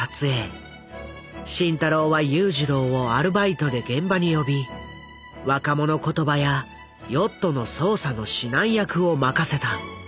慎太郎は裕次郎をアルバイトで現場に呼び若者言葉やヨットの操作の指南役を任せた。